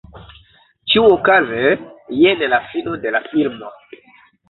Ĉiuokaze jen la fino de la filmo.